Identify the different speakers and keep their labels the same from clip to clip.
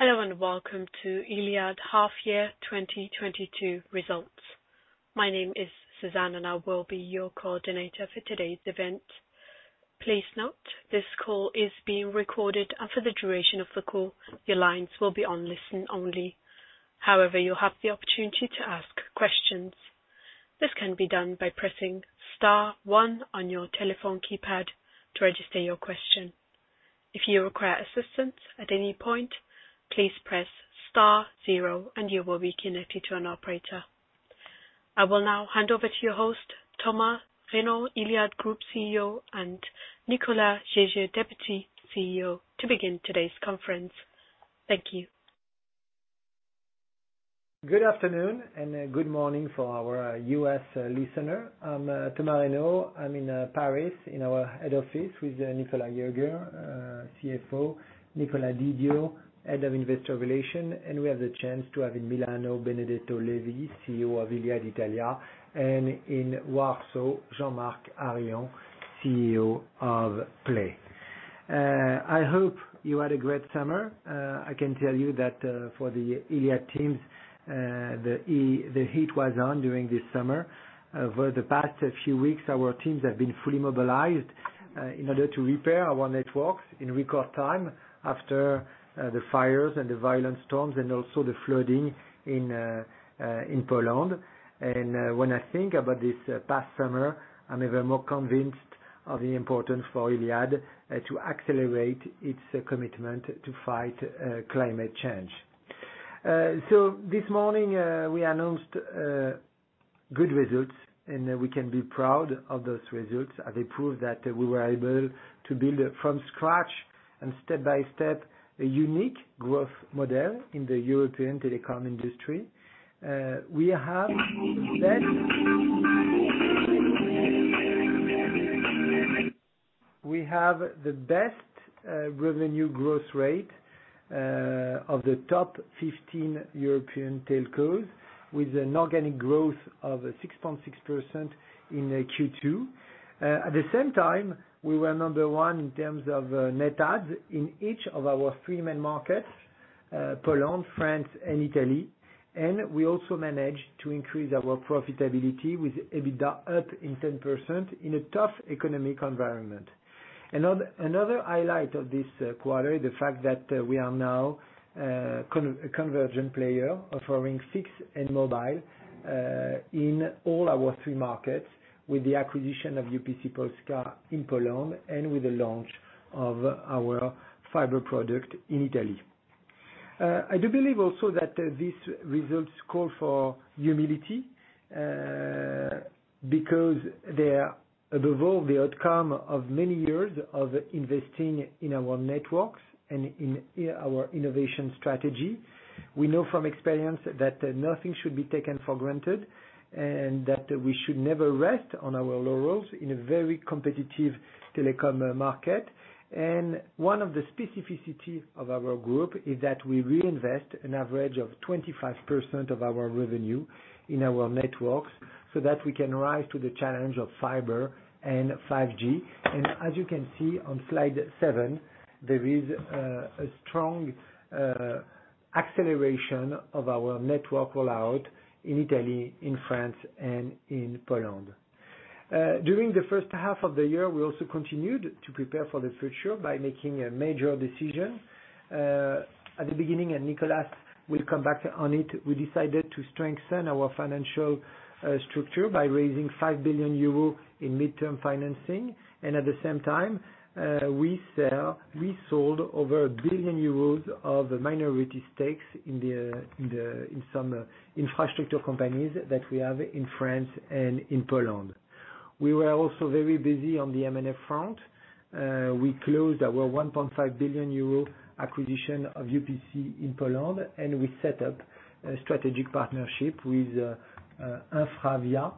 Speaker 1: Hello, and welcome to Iliad half year 2022 results. My name is Suzanne, and I will be your coordinator for today's event. Please note, this call is being recorded, and for the duration of the call, your lines will be on listen-only. However, you'll have the opportunity to ask questions. This can be done by pressing star one on your telephone keypad to register your question. If you require assistance at any point, please press star zero and you will be connected to an operator. I will now hand over to your host, Thomas Reynaud, Iliad Group CEO, and Nicolas Jaeger, Deputy CEO, to begin today's conference. Thank you.
Speaker 2: Good afternoon, and good morning for our U.S. listener. I'm Thomas Reynaud. I'm in Paris, in our head office with Nicolas Jaeger, CFO, Nicolas Didion, Head of Investor Relations, and we have the chance to have in Milano, Benedetto Levi, CEO of Iliad Italia, and in Warsaw, Jean-Marc Harion, CEO of Play. I hope you had a great summer. I can tell you that, for the Iliad teams, the heat was on during this summer. Over the past few weeks, our teams have been fully mobilized, in order to repair our networks in record time after the fires and the violent storms and also the flooding in Poland. When I think about this past summer, I'm even more convinced of the importance for Iliad to accelerate its commitment to fight climate change. This morning, we announced good results, and we can be proud of those results as they prove that we were able to build, from scratch and step by step, a unique growth model in the European telecom industry. We have the best revenue growth rate of the top 15 European telcos, with an organic growth of 6.6% in Q2. At the same time, we were number one in terms of net adds in each of our three main markets, Poland, France, and Italy. We also managed to increase our profitability with EBITDA up 10% in a tough economic environment. Another highlight of this quarter, the fact that we are now a convergent player offering fixed and mobile in all our three markets with the acquisition of UPC Polska in Poland and with the launch of our fiber product in Italy. I do believe also that these results call for humility because they are above all the outcome of many years of investing in our networks and in our innovation strategy. We know from experience that nothing should be taken for granted, and that we should never rest on our laurels in a very competitive telecom market. One of the specificities of our group is that we reinvest an average of 25% of our revenue in our networks so that we can rise to the challenge of fiber and 5G. As you can see on slide seven, there is a strong acceleration of our network rollout in Italy, in France, and in Poland. During the first half of the year, we also continued to prepare for the future by making a major decision at the beginning, and Nicolas will come back on it. We decided to strengthen our financial structure by raising 5 billion euro in midterm financing. At the same time, we sold over 1 billion euros of minority stakes in some infrastructure companies that we have in France and in Poland. We were also very busy on the M&A front. We closed our 1.5 billion euro acquisition of UPC Polska in Poland, and we set up a strategic partnership with InfraVia,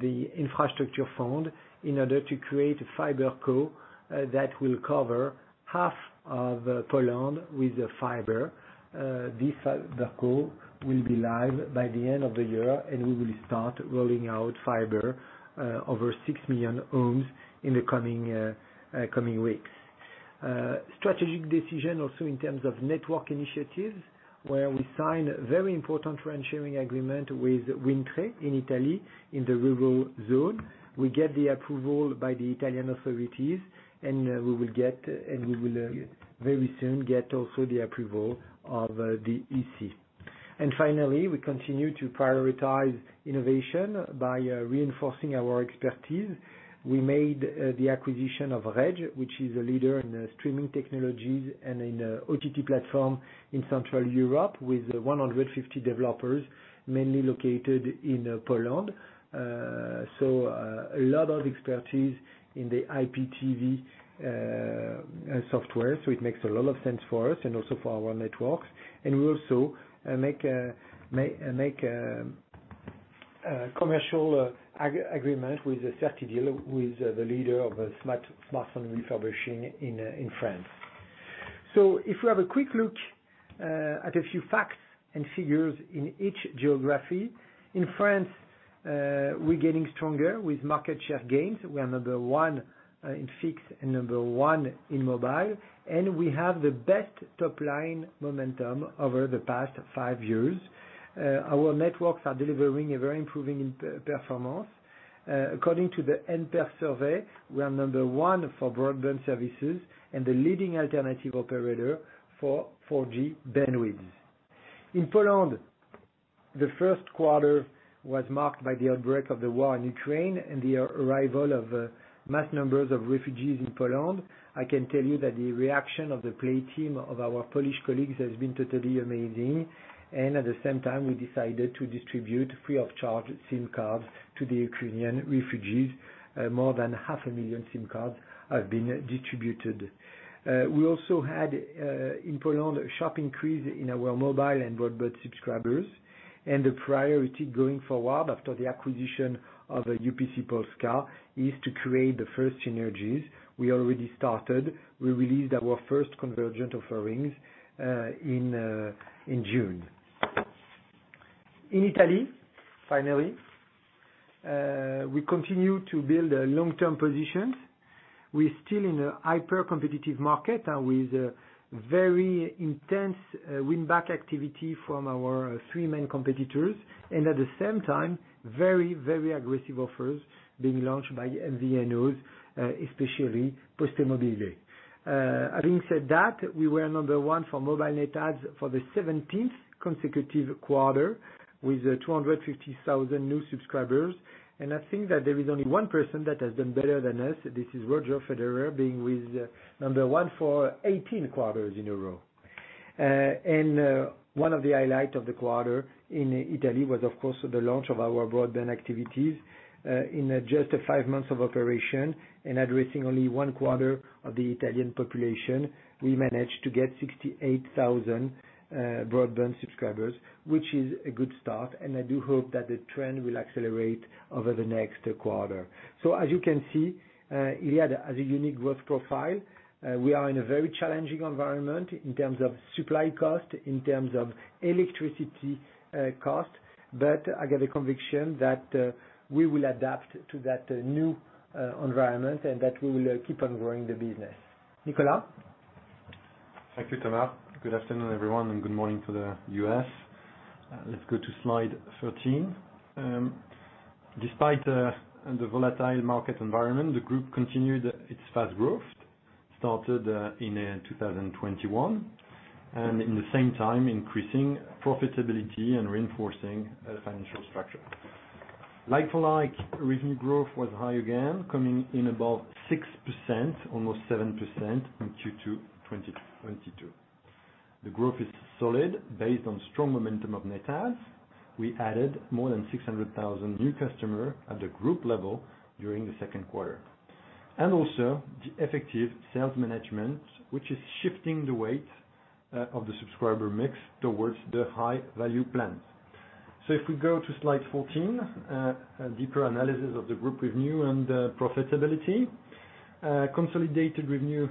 Speaker 2: the infrastructure fund, in order to create a FiberCo that will cover half of Poland with fiber. This FiberCo will be live by the end of the year, and we will start rolling out fiber over six million homes in the coming weeks. Strategic decision also in terms of network initiatives, where we sign a very important RAN sharing agreement with Wind Tre in Italy in the rural zone. We get the approval by the Italian authorities, and we will very soon get also the approval of the EC. We continue to prioritize innovation by reinforcing our expertise. We made the acquisition of Redge, which is a leader in streaming technologies and in OTT platform in Central Europe with 150 developers, mainly located in Poland. A lot of expertise in the IPTV software, so it makes a lot of sense for us and also for our networks. We also make a commercial agreement with Certideal, with the leader of smartphone refurbishing in France. If we have a quick look at a few facts and figures in each geography. In France, we're getting stronger with market share gains. We are number one in fixed and number one in mobile, and we have the best top line momentum over the past five years. Our networks are delivering a very improving performance. According to the nPerf survey, we are number one for broadband services and the leading alternative operator for 4G bandwidth. In Poland, the first quarter was marked by the outbreak of the war in Ukraine and the arrival of mass numbers of refugees in Poland. I can tell you that the reaction of the Play team of our Polish colleagues has been totally amazing. At the same time, we decided to distribute free of charge SIM cards to the Ukrainian refugees. More than 500,000 SIM cards have been distributed. We also had in Poland a sharp increase in our mobile and broadband subscribers. The priority going forward after the acquisition of UPC Polska is to create the first synergies. We already started. We released our first convergent offerings in June. In Italy, finally, we continue to build a long-term positions. We're still in a hyper-competitive market with very intense win-back activity from our three main competitors, and at the same time, very, very aggressive offers being launched by MVNOs, especially PosteMobile. Having said that, we were number one for mobile net adds for the seventeenth consecutive quarter with 250,000 new subscribers. I think that there is only one person that has done better than us. This is Roger Federer being with number one for 18 quarters in a row. One of the highlight of the quarter in Italy was, of course, the launch of our broadband activities. In just five months of operation and addressing only one quarter of the Italian population, we managed to get 68,000 broadband subscribers, which is a good start, and I do hope that the trend will accelerate over the next quarter. As you can see, Iliad has a unique growth profile. We are in a very challenging environment in terms of supply cost, in terms of electricity cost. I get a conviction that we will adapt to that new environment and that we will keep on growing the business. Nicolas.
Speaker 3: Thank you, Thomas. Good afternoon, everyone, and good morning to the US. Let's go to slide 13. Despite the volatile market environment, the group continued its fast growth, started in 2021, and in the same time increasing profitability and reinforcing the financial structure. Like for like, revenue growth was high again, coming in above 6%, almost 7% in Q2 2022. The growth is solid based on strong momentum of net adds. We added more than 600,000 new customer at the group level during the second quarter. Also the effective sales management, which is shifting the weight of the subscriber mix towards the high value plans. If we go to slide 14, a deeper analysis of the group revenue and profitability. Consolidated revenue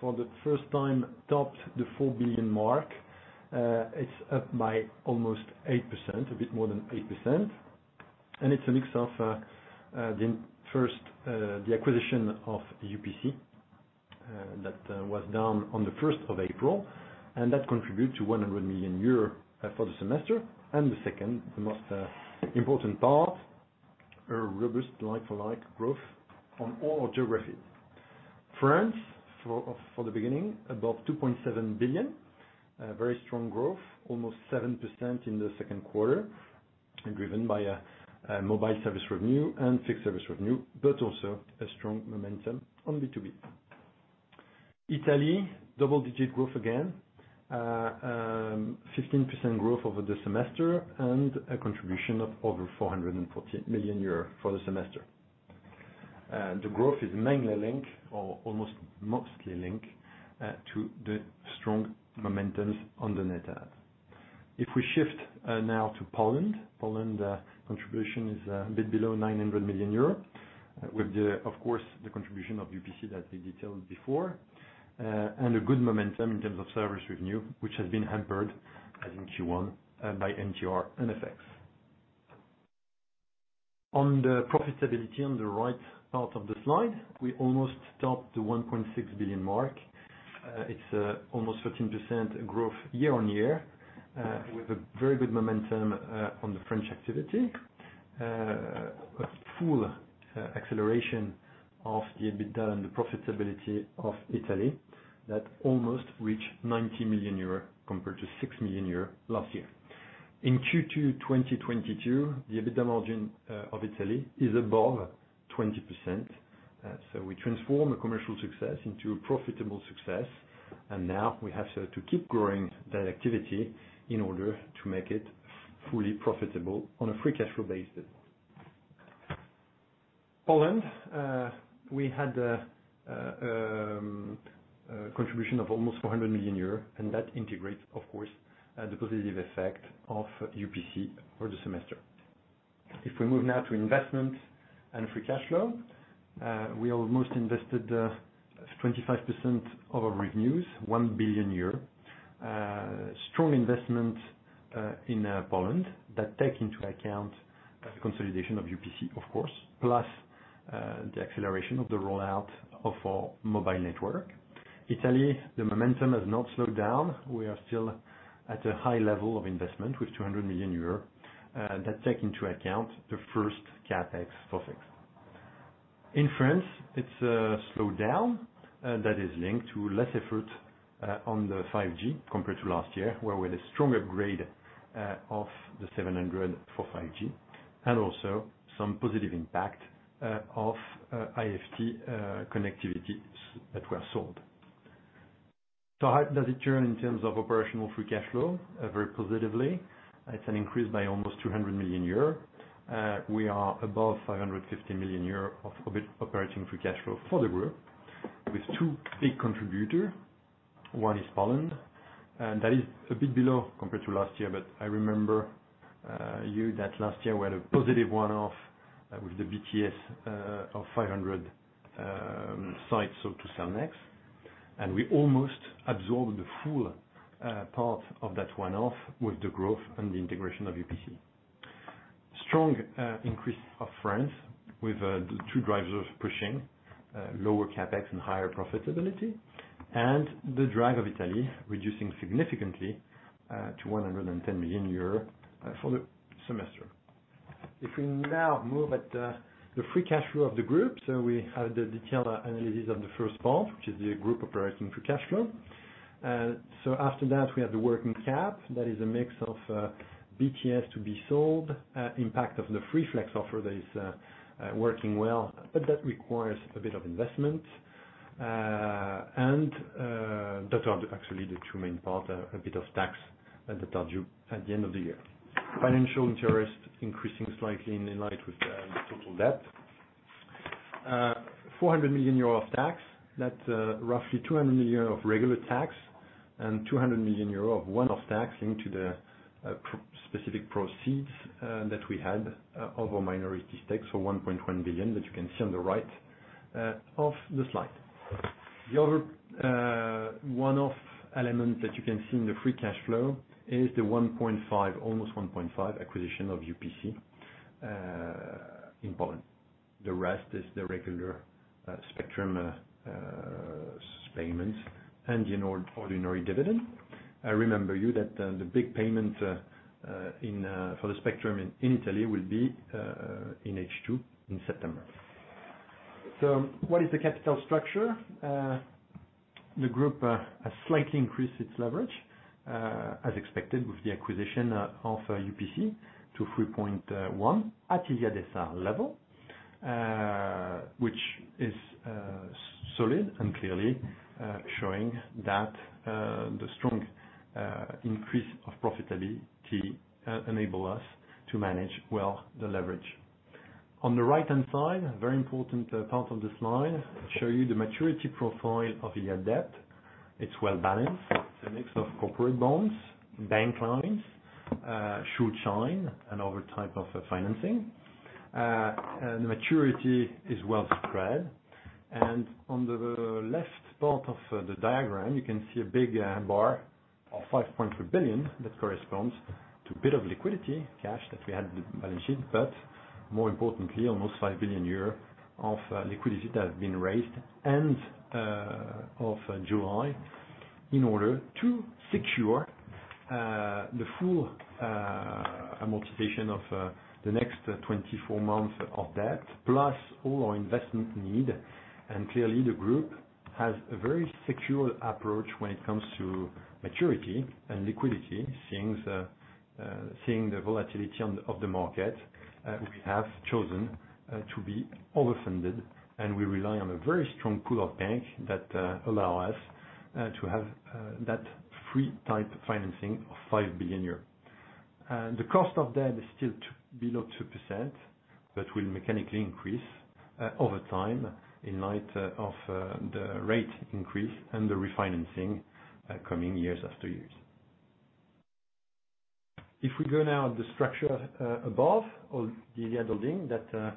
Speaker 3: for the first time topped the 4 billion mark. It's up by almost 8%, a bit more than 8%. It's a mix of the acquisition of UPC that was done on the first of April, and that contribute to 100 million euros for the semester. The second, the most important part, a robust like-for-like growth on all geographies. France, for the beginning, above 2.7 billion, a very strong growth, almost 7% in the second quarter, and driven by a mobile service revenue and fixed service revenue, but also a strong momentum on B2B. Italy, double-digit growth again. 15% growth over the semester and a contribution of over 440 million euros for the semester. The growth is mainly linked or almost mostly linked to the strong momentums on the net add. If we shift now to Poland. Poland contribution is a bit below 900 million euro. With, of course, the contribution of UPC that we detailed before, and a good momentum in terms of service revenue, which has been hampered as in Q1 by NGR and FX. On the profitability on the right part of the slide, we almost hit the 1.6 billion mark. It's almost 13% growth year-over-year, with a very good momentum on the French activity. A full acceleration of the EBITDA and the profitability of Italy that almost reached 90 million euro compared to 6 million euro last year. In Q2 2022, the EBITDA margin of Italy is above 20%. We transform the commercial success into a profitable success, and now we have to keep growing that activity in order to make it fully profitable on a free cash flow basis. Poland, we had a contribution of almost 400 million euros, and that integrates, of course, the positive effect of UPC for the semester. If we move now to investment and free cash flow, we almost invested 25% of our revenues, 1 billion euro. Strong investment in Poland that take into account the consolidation of UPC, of course, plus the acceleration of the rollout of our mobile network. Italy, the momentum has not slowed down. We are still at a high level of investment with 200 million euros that take into account the first CapEx topics. In France, it's slowed down, that is linked to less effort on the 5G compared to last year, where with a stronger grade of the 700 MHz for 5G and also some positive impact of IFT connectivity that were sold. How does it turn in terms of operational free cash flow? Very positively. It's an increase by almost 200 million euros. We are above 550 million euros of operating free cash flow for the group with two big contributor. One is Poland, and that is a bit below compared to last year. I remind you that last year we had a positive one-off with the BTS of 500 sites sold to Cellnex. We almost absorbed the full part of that one-off with the growth and the integration of UPC. Strong increase of France with the two drivers of pushing lower CapEx and higher profitability and the drive of Italy reducing significantly to 110 million euros for the semester. If we now move at the free cash flow of the group, so we have the detailed analysis of the first part, which is the group operating free cash flow. So after that, we have the working cap. That is a mix of BTS to be sold, impact of the Free Flex offer that is working well, but that requires a bit of investment. And that are actually the two main part, a bit of tax that are due at the end of the year. Financial interest increasing slightly in line with the total debt. 400 million euro of tax. That's roughly 200 million euro of regular tax and 200 million euro of one-off tax from the proceeds that we had of our minority stakes for 1.1 billion that you can see on the right of the slide. The other one-off element that you can see in the free cash flow is the almost 1.5 acquisition of UPC in Poland. The rest is the regular spectrum payments and the ordinary dividend. I remind you that the big payment for the spectrum in Italy will be in H2 in September. What is the capital structure? The group has slightly increased its leverage, as expected with the acquisition of UPC to 3.1 at Iliad S.A. level, which is solid and clearly showing that the strong increase of profitability enable us to manage well the leverage. On the right-hand side, very important part of this slide show you the maturity profile of Iliad debt. It's well-balanced. It's a mix of corporate bonds, bank lines, short term, and other type of financing. The maturity is well spread. On the left part of the diagram, you can see a big bar of 5.2 billion. That corresponds to a bit of liquidity cash that we had in the balance sheet. More importantly, almost 5 billion euros of liquidity that has been raised end of July in order to secure the full amortization of the next 24 months of debt, plus all our investment need. Clearly, the group has a very secure approach when it comes to maturity and liquidity. Seeing the volatility on the of the market, we have chosen to be over-funded, and we rely on a very strong pool of banks that allow us to have that free type financing of 5 billion euros. The cost of debt is still below 2%, but will mechanically increase over time in light of the rate increase and the refinancing coming years after years. If we go now to the structure above of Iliad Holding S.A.S., that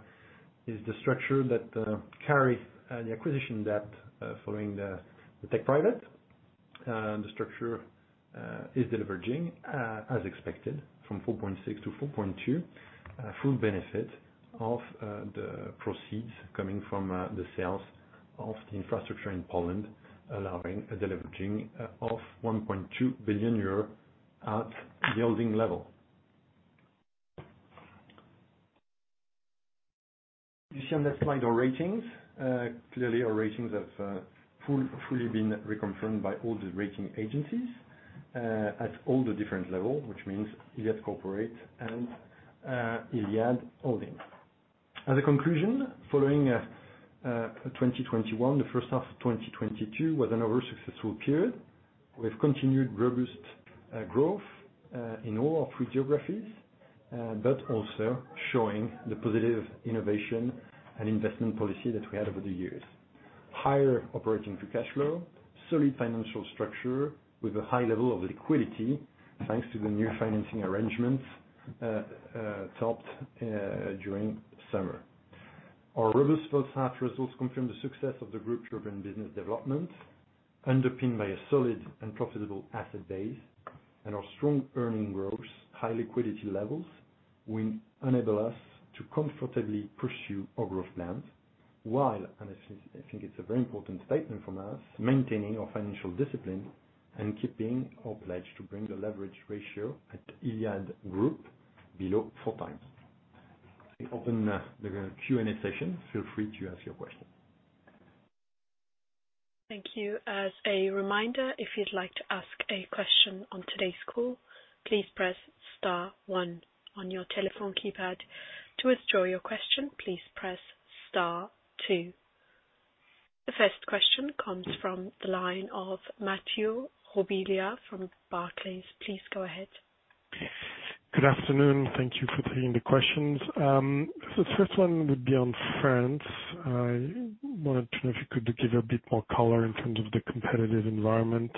Speaker 3: is the structure that carries the acquisition debt following the takeover. The structure is delivering as expected from 4.6 to 4.2, full benefit of the proceeds coming from the sales of the infrastructure in Poland, allowing delivery of 1.2 billion euros at the holding level. You see on that slide our ratings. Clearly our ratings have fully been reconfirmed by all the rating agencies at all the different levels, which means Iliad S.A. and Iliad Holding S.A.S. As a conclusion, following 2021, the first half of 2022 was another successful period. We've continued robust growth in all our three geographies, but also showing the positive innovation and investment policy that we had over the years. Higher operating free cash flow, solid financial structure with a high level of liquidity thanks to the new financing arrangements, topped up during summer. Our robust first half results confirm the success of the group's urban business development, underpinned by a solid and profitable asset base. Our strong earnings growth, high liquidity levels will enable us to comfortably pursue our growth plans while, and this is, I think it's a very important statement from us, maintaining our financial discipline and keeping our pledge to bring the leverage ratio at Iliad Group below four times. I open the Q&A session. Feel free to ask your question.
Speaker 1: Thank you. As a reminder, if you'd like to ask a question on today's call, please press star one on your telephone keypad. To withdraw your question, please press star two. The first question comes from the line of Mathieu Robilliard from Barclays. Please go ahead.
Speaker 4: Good afternoon. Thank you for taking the questions. The first one would be on France. I wanted to know if you could give a bit more color in terms of the competitive environment.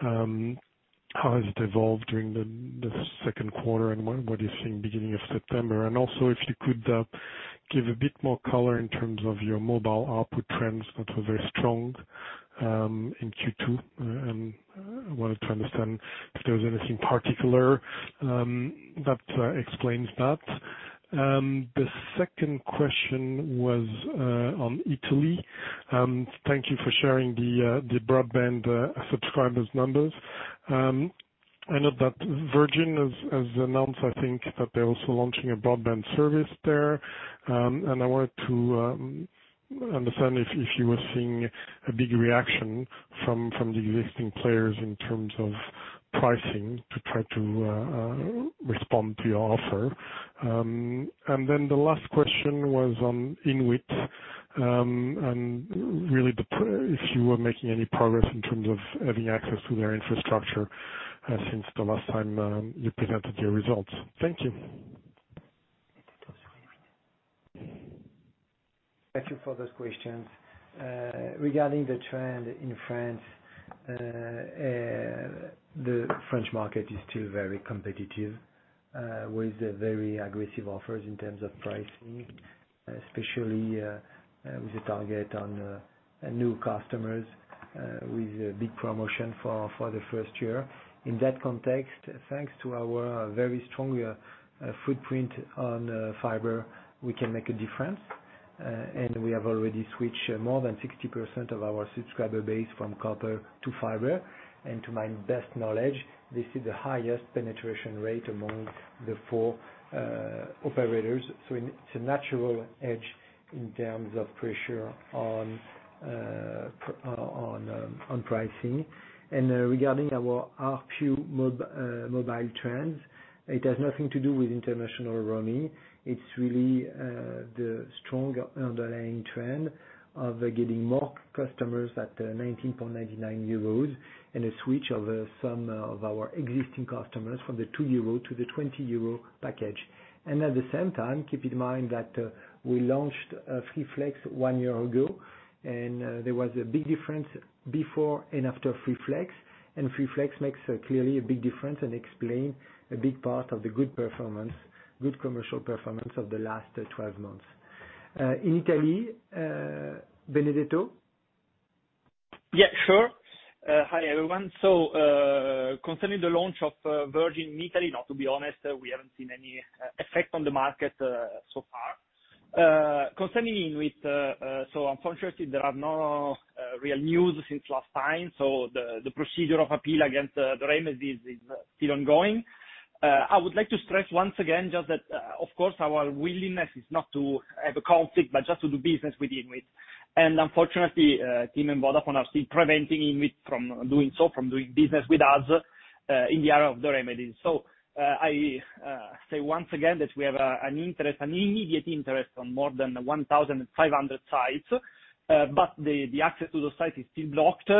Speaker 4: How has it evolved during the second quarter, and what do you see in beginning of September? Also if you could give a bit more color in terms of your mobile output trends, which were very strong in Q2. I wanted to understand if there was anything particular that explains that. The second question was on Italy. Thank you for sharing the broadband subscribers numbers. I know that Virgin has announced, I think, that they're also launching a broadband service there. I wanted to understand if you were seeing a big reaction from the existing players in terms of pricing to try to respond to your offer. Then the last question was on INWIT, and really, if you were making any progress in terms of having access to their infrastructure since the last time you presented your results. Thank you.
Speaker 2: Thank you for those questions. Regarding the trend in France, the French market is still very competitive, with very aggressive offers in terms of pricing, especially with the targeting new customers, with a big promotion for the first year. In that context, thanks to our very strong footprint on fiber, we can make a difference. We have already switched more than 60% of our subscriber base from copper to fiber. To my best knowledge, this is the highest penetration rate among the four operators. It's a natural edge in terms of pressure on pricing. Regarding our ARPU mobile trends, it has nothing to do with international roaming. It's really the strong underlying trend of getting more customers at 19.99 euros and a switch of some of our existing customers from the 2 euro to the 20 euro package. At the same time, keep in mind that we launched Free Flex one year ago, and there was a big difference before and after Free Flex. Free Flex makes clearly a big difference and explains a big part of the good performance, good commercial performance of the last 12 months. In Italy, Benedetto?
Speaker 5: Yeah, sure. Hi, everyone. Concerning the launch of Virgin in Italy, no, to be honest, we haven't seen any effect on the market so far. Concerning, unfortunately, there are no real news since last time, so the procedure of appeal against the remedies is still ongoing. I would like to stress once again just that, of course, our willingness is not to have a conflict, but just to do business with INWIT. Unfortunately, TIM and Vodafone are still preventing INWIT from doing so, from doing business with us in the era of the remedies. I say once again that we have an interest, an immediate interest on more than 1,500 sites, but the access to the site is still blocked.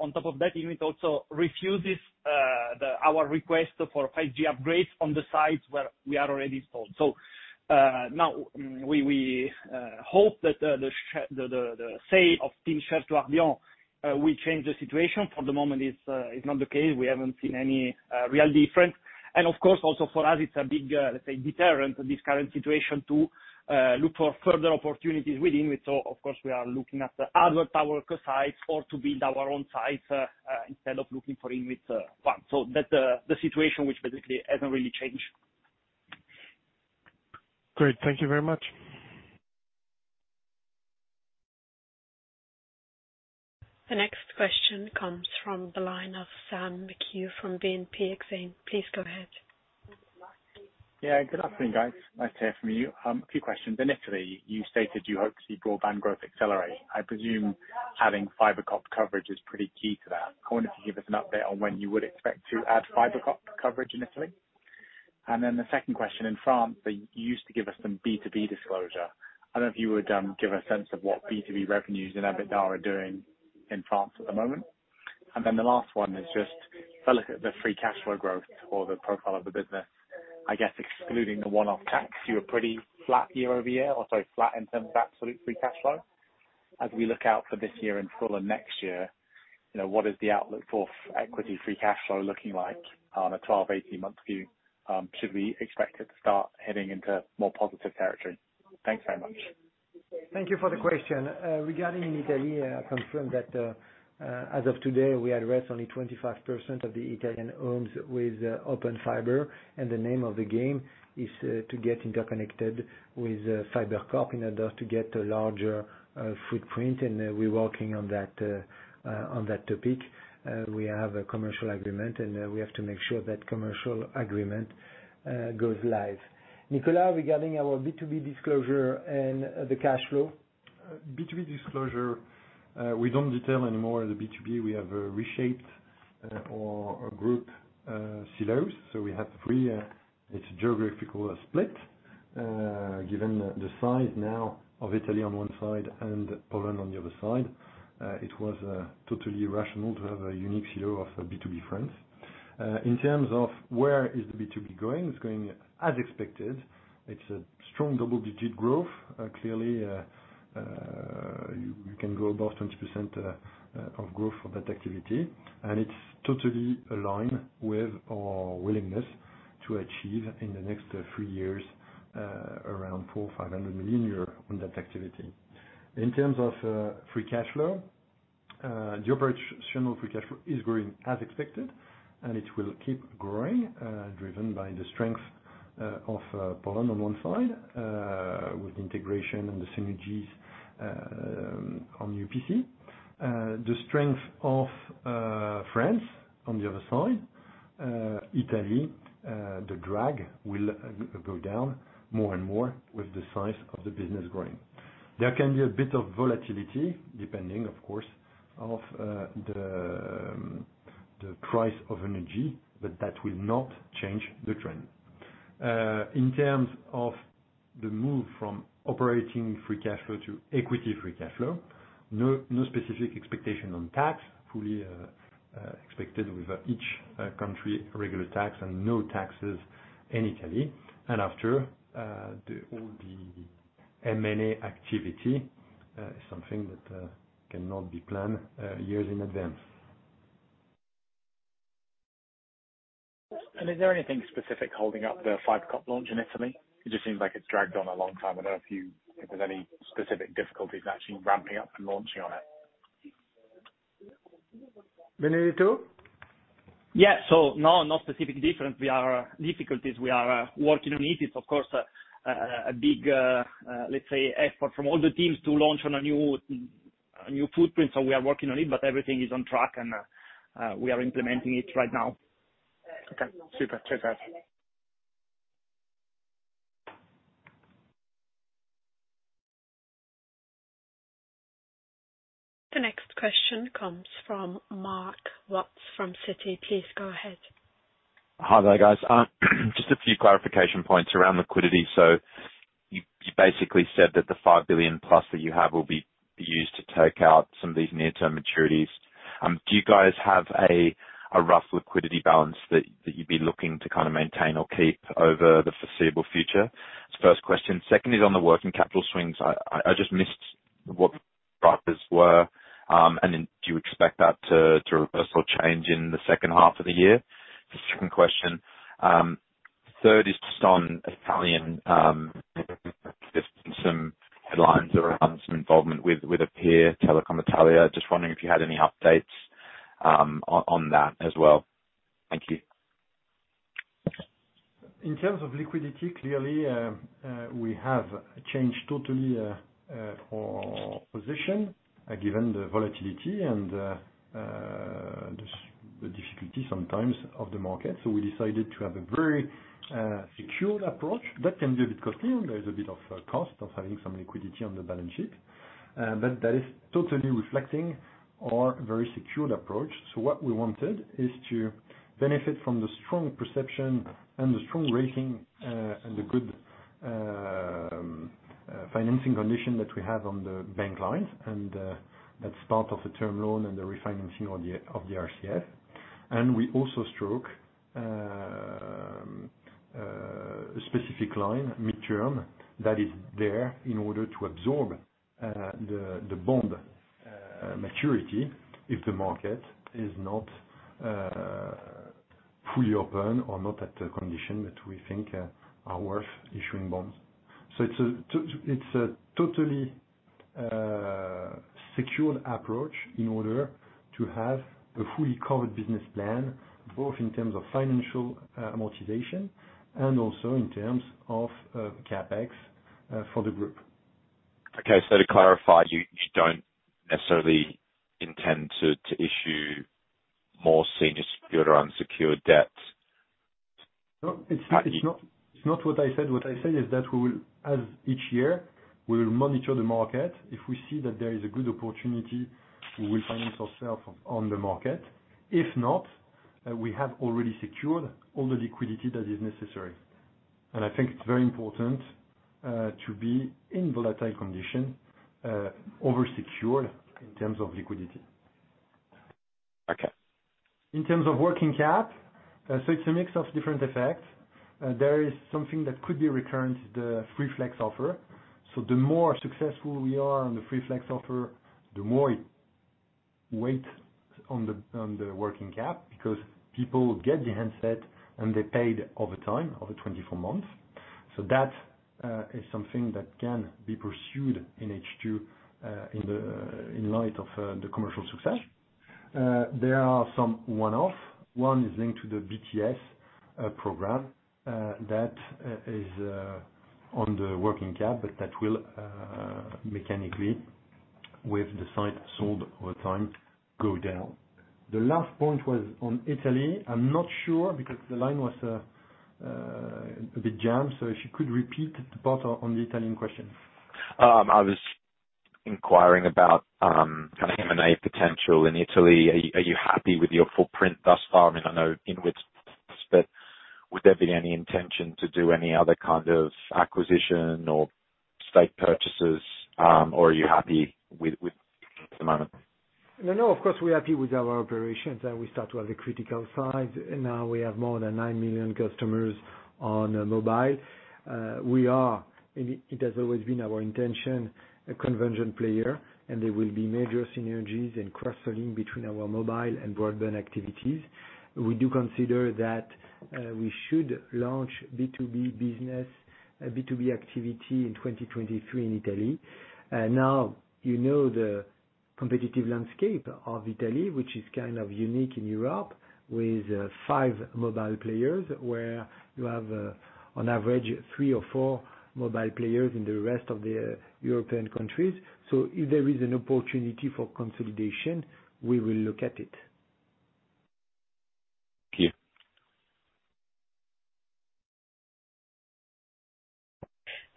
Speaker 5: On top of that, INWIT also refuses our request for 5G upgrades on the sites where we are already installed. Now we hope that the sale of TIM shares to will change the situation. For the moment it's not the case, we haven't seen any real difference. Of course, also for us it's a big, let's say, deterrent to this current situation to look for further opportunities with INWIT. Of course, we are looking at the other TowerCo sites or to build our own sites instead of looking for INWIT ones. That's the situation, which basically hasn't really changed.
Speaker 4: Great. Thank you very much.
Speaker 1: The next question comes from the line of Sam McHugh from BNP Paribas Exane. Please go ahead.
Speaker 6: Yeah, good afternoon, guys. Nice to hear from you. A few questions. In Italy, you stated you hope to see broadband growth accelerate. I presume having FiberCop coverage is pretty key to that. I wonder if you give us an update on when you would expect to add FiberCop coverage in Italy. The second question, in France, you used to give us some B2B disclosure. I don't know if you would give a sense of what B2B revenues and EBITDA are doing in France at the moment. The last one is just, so look at the free cash flow growth or the profile of the business. I guess excluding the one-off tax, you were pretty flat year-over-year, or sorry, flat in terms of absolute free cash flow. As we look out for this year in full and next year, you know, what is the outlook for equity free cash flow looking like on a 12-18 month view? Should we expect it to start heading into more positive territory? Thanks very much.
Speaker 2: Thank you for the question. Regarding Italy, I confirm that, as of today, we address only 25% of the Italian homes with Open Fiber. The name of the game is to get interconnected with FiberCop in order to get a larger footprint. We're working on that topic. We have a commercial agreement, and then we have to make sure that commercial agreement goes live. Nicolas, regarding our B2B disclosure and the cash flow.
Speaker 3: B2B disclosure, we don't detail anymore the B2B. We have reshaped our group silos. We have three. It's geographical split. Given the size now of Italy on one side and Poland on the other side, it was totally rational to have a unique silo of B2B France. In terms of where is the B2B going? It's going as expected. It's a strong double-digit growth. Clearly, you can go above 20% growth for that activity, and it's totally aligned with our willingness to achieve in the next three years, around 400 million-500 million euros on that activity. In terms of free cash flow, the operational free cash flow is growing as expected, and it will keep growing, driven by the strength of Poland on one side, with integration and the synergies on UPC. The strength of France on the other side. Italy, the drag will go down more and more with the size of the business growing. There can be a bit of volatility, depending of course on the price of energy, but that will not change the trend. In terms of the move from operating free cash flow to equity free cash flow, no specific expectation on tax, fully expected with each country, regular tax and no taxes in Italy. After all the M&A activity is something that cannot be planned years in advance.
Speaker 6: Is there anything specific holding up the FiberCop launch in Italy? It just seems like it's dragged on a long time. I don't know if there's any specific difficulties actually ramping up and launching on it.
Speaker 2: Benedetto?
Speaker 5: Yeah. No specific difference. We are working on it. It's of course a big, let's say, effort from all the teams to launch on a new footprint. We are working on it, but everything is on track and we are implementing it right now.
Speaker 6: Okay. Super. Cheers, guys.
Speaker 1: The next question comes from Marc Luet from Citi. Please go ahead.
Speaker 7: Hi there, guys. Just a few clarification points around liquidity. You basically said that the 5 billion plus that you have will be used to take out some of these near-term maturities. Do you guys have a rough liquidity balance that you'd be looking to kind of maintain or keep over the foreseeable future? Is the first question. Second is on the working capital swings. I just missed what the drivers were. Do you expect that to reverse or change in the second half of the year? Is the second question. Third is just on Italian, just some headlines around some involvement with a peer, Telecom Italia. Just wondering if you had any updates on that as well. Thank you.
Speaker 3: In terms of liquidity, clearly, we have changed totally our position given the volatility and the difficulty sometimes of the market. We decided to have a very secured approach. That can be a bit costly. There is a bit of cost of having some liquidity on the balance sheet. That is totally reflecting our very secured approach. What we wanted is to benefit from the strong perception and the strong rating and the good financing condition that we have on the bank lines. That's part of the term loan and the refinancing of the RCF. We also secured a specific line, mid-term, that is there in order to absorb the bond maturity if the market is not fully open or not at a condition that we think are worth issuing bonds. It's a totally secured approach in order to have a fully covered business plan, both in terms of financial amortization and also in terms of CapEx for the group.
Speaker 7: Okay. To clarify, you don't necessarily intend to issue more senior secured or unsecured debt?
Speaker 3: No, it's not what I said. What I said is that we will, as each year, we will monitor the market. If we see that there is a good opportunity, we will finance ourselves on the market. If not, we have already secured all the liquidity that is necessary.
Speaker 2: I think it's very important to be in volatile condition oversecured in terms of liquidity.
Speaker 7: Okay.
Speaker 2: In terms of working cap, it's a mix of different effects. There is something that could be recurrent, the Free Flex offer. The more successful we are on the Free Flex offer, the more weight on the working cap because people get the handset and they paid over time, over 24 months. That is something that can be pursued in H2, in light of the commercial success. There are some one-off. One is linked to the BTS program that is on the working cap, but that will mechanically with the site sold over time go down. The last point was on Italy. I'm not sure because the line was a bit jammed. If you could repeat the part on the Italian question.
Speaker 7: I was inquiring about kind of M&A potential in Italy. Are you happy with your footprint thus far? I mean, I know which bits but would there be any intention to do any other kind of acquisition or stake purchases, or are you happy with the amount?
Speaker 2: No, no, of course we're happy with our operations, and we start to have a critical size. Now we have more than nine million customers on mobile. It has always been our intention to be a convergent player, and there will be major synergies and cross-selling between our mobile and broadband activities. We do consider that we should launch B2B business, B2B activity in 2023 in Italy. Now you know the competitive landscape of Italy, which is kind of unique in Europe with five mobile players where you have on average three or four mobile players in the rest of the European countries. If there is an opportunity for consolidation, we will look at it.
Speaker 7: Thank you.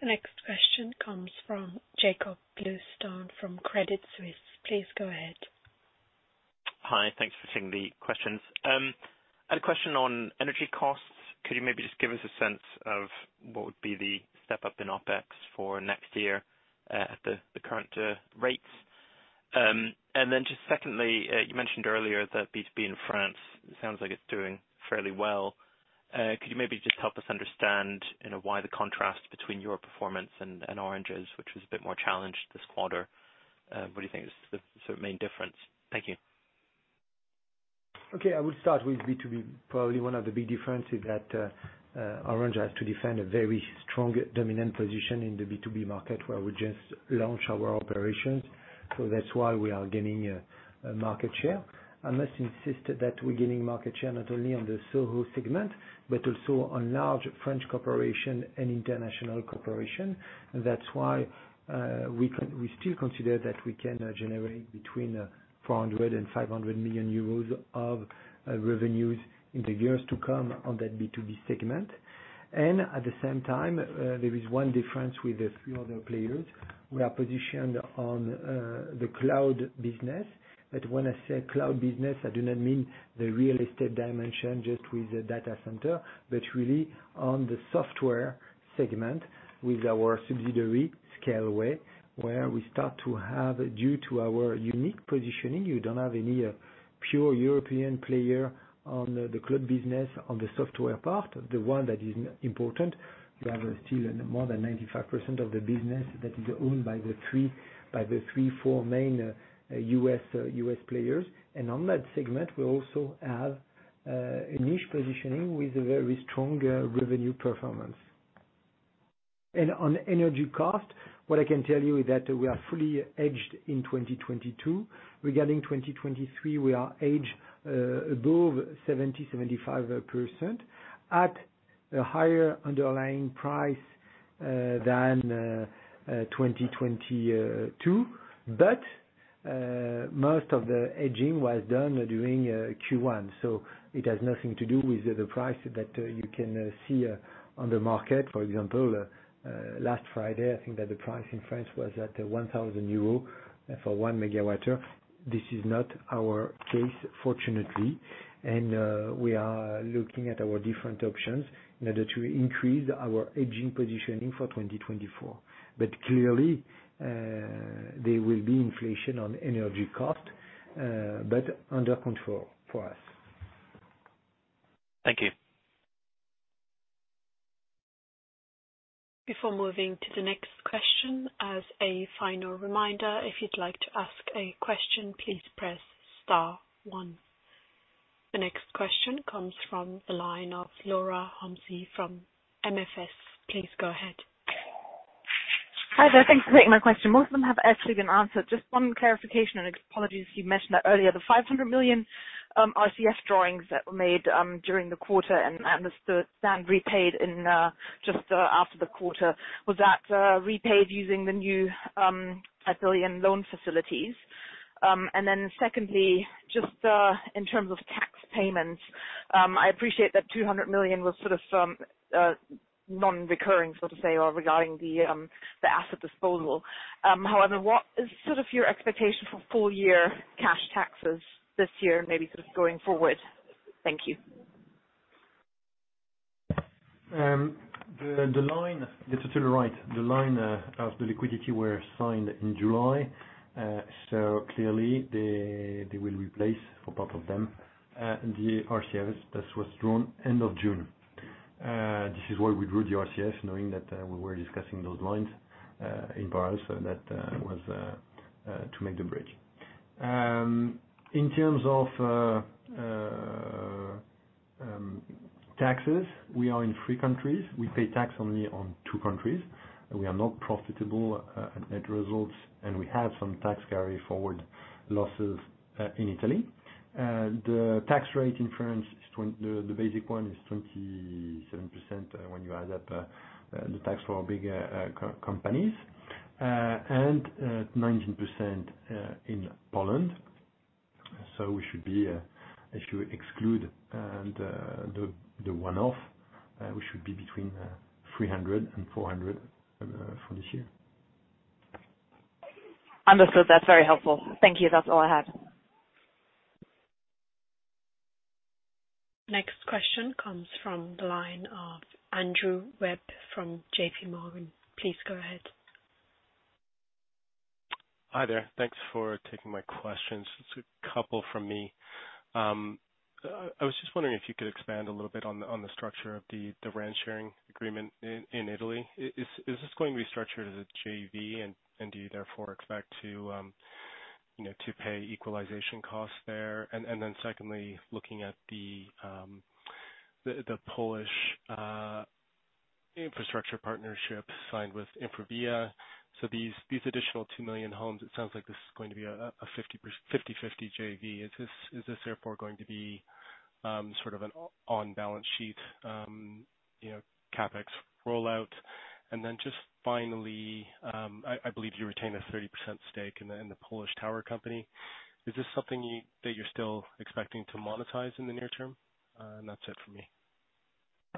Speaker 1: The next question comes from Jakob Bluestone from Credit Suisse. Please go ahead.
Speaker 8: Hi. Thanks for taking the questions. I had a question on energy costs. Could you maybe just give us a sense of what would be the step-up in OpEx for next year at the current rates? And then just secondly, you mentioned earlier that B2B in France, it sounds like it's doing fairly well. Could you maybe just help us understand, you know, why the contrast between your performance and Orange's, which was a bit more challenged this quarter? What do you think is the sort of main difference? Thank you.
Speaker 2: Okay. I would start with B2B. Probably one of the big differences is that Orange has to defend a very strong dominant position in the B2B market where we just launched our operations. That's why we are gaining market share. I must insist that we're gaining market share not only on the SOHO segment, but also on large French corporation and international corporation. That's why we still consider that we can generate between 400 million euros and 500 million euros of revenues in the years to come on that B2B segment. At the same time, there is one difference with the three other players. We are positioned on the cloud business. When I say cloud business, I do not mean the real estate dimension just with the data center, but really on the software segment with our subsidiary Scaleway, where we start to have due to our unique positioning, you don't have any pure European player on the cloud business on the software part, the one that is important. You have still more than 95% of the business that is owned by the three four main U.S. players. On that segment, we also have a niche positioning with a very strong revenue performance. On energy cost, what I can tell you is that we are fully hedged in 2022. Regarding 2023, we are hedged above 75% at a higher underlying price than 2022. Most of the hedging was done during Q1 so it has nothing to do with the price that you can see on the market. For example, last Friday, I think that the price in France was at 1,000 euros for one megawatt hour. This is not our case, fortunately. We are looking at our different options in order to increase our hedging positioning for 2024. Clearly, there will be inflation on energy costs, but under control for us.
Speaker 8: Thank you.
Speaker 1: Before moving to the next question, as a final reminder, if you'd like to ask a question, please press star one. The next question comes from the line of Laura Homsy from MFS. Please go ahead.
Speaker 9: Hi there. Thanks for taking my question. Most of them have actually been answered. Just one clarification and apologies if you mentioned that earlier. The 500 million RCF drawings that were made during the quarter and I understood then repaid just after the quarter, was that repaid using the new EUR 1 billion loan facilities? Secondly, just in terms of tax payments, I appreciate that 200 million was sort of some non-recurring, so to say, or regarding the asset disposal. However, what is sort of your expectation for full year cash taxes this year and maybe sort of going forward? Thank you.
Speaker 3: That's totally right. The line of the liquidity were signed in July. Clearly they will replace a part of them, the RCFs that was drawn end of June. This is why we drew the RCFs knowing that we were discussing those lines in Paris. That was to make the bridge. In terms of taxes, we are in three countries. We pay tax only on two countries. We are not profitable at net results, and we have some tax carry forward losses in Italy. The tax rate in France, the basic one is 27%, when you add up the tax for big companies, and 19% in Poland. If you exclude the one-off, we should be between 300 and 400 for this year.
Speaker 9: Understood. That's very helpful. Thank you. That's all I have.
Speaker 1: Next question comes from the line of Andrew Webb from JPMorgan. Please go ahead.
Speaker 10: Hi there. Thanks for taking my questions. Just a couple from me. I was just wondering if you could expand a little bit on the structure of the RAN sharing agreement in Italy. Is this going to be structured as a JV? And do you therefore expect to pay equalization costs there? Looking at the Polish infrastructure partnership signed with InfraVia. These additional 2 million homes, it sounds like this is going to be a 50/50 JV. Is this therefore going to be sort of an on-balance sheet CapEx rollout? I believe you retain a 30% stake in the Polish tower company. Is this something that you're still expecting to monetize in the near term? That's it for me.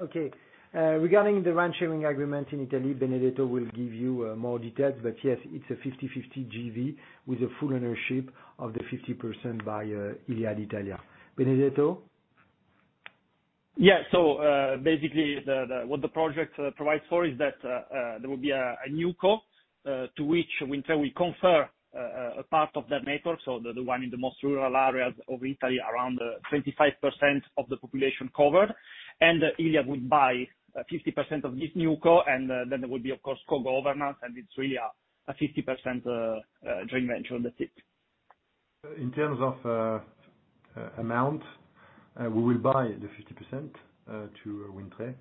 Speaker 3: Okay. Regarding the RAN sharing agreement in Italy, Benedetto will give you more details, but yes, it's a 50-50 JV with full ownership of the 50% by Iliad Italia. Benedetto?
Speaker 5: Yeah. Basically what the project provides for is that there will be a new co to which Wind Tre will confer a part of that network, so the one in the most rural areas of Italy, around 25% of the population covered. Iliad would buy 50% of this new co, and then there will be, of course, co-governance, and it's really a 50% joint venture entity.
Speaker 3: In terms of amount, we will buy the 50% to Wind Tre,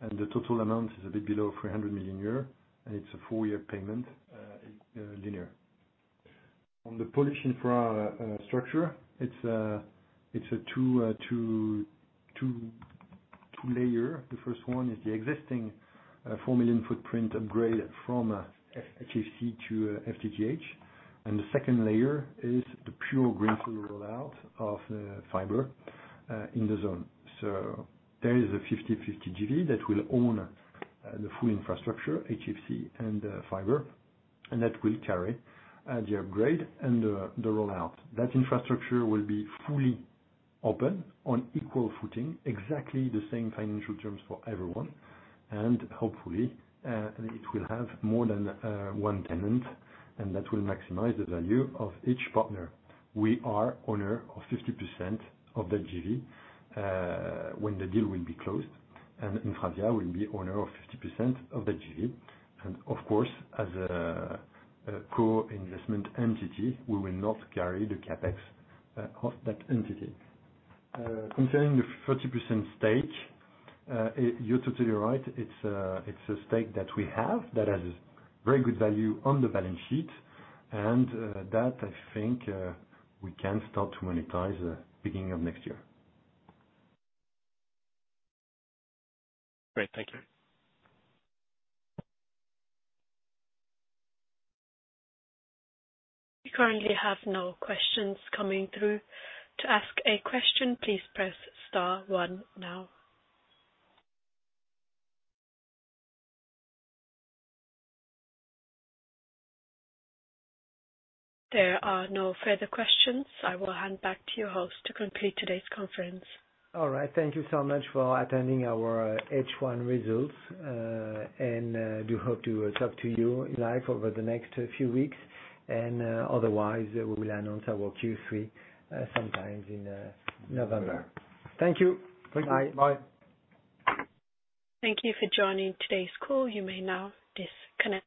Speaker 3: and the total amount is a bit below 300 million euros, and it's a 4-year payment linear. On the Polish infrastructure, it's a two-layer. The first one is the existing 4 million footprint upgrade from HFC to FTTH. The second layer is the pure greenfield rollout of the fiber in the zone. There is a 50-50 JV that will own the full infrastructure, HFC and fiber, and that will carry the upgrade and the rollout. That infrastructure will be fully open on equal footing, exactly the same financial terms for everyone. Hopefully, it will have more than one tenant, and that will maximize the value of each partner. We are owner of 50% of the JV, when the deal will be closed, and InfraVia will be owner of 50% of the JV. Of course, as a co-investment entity, we will not carry the CapEx of that entity. Concerning the 30% stake, you're totally right. It's a stake that we have that has very good value on the balance sheet, and that I think we can start to monetize beginning of next year.
Speaker 10: Great. Thank you.
Speaker 1: We currently have no questions coming through. To ask a question, please press star one now. There are no further questions. I will hand back to your host to complete today's conference.
Speaker 3: All right. Thank you so much for attending our H1 results. I do hope to talk to you, like, over the next few weeks. Otherwise, we will announce our Q3 sometime in November. Thank you. Bye.
Speaker 5: Bye.
Speaker 1: Thank you for joining today's call. You may now disconnect.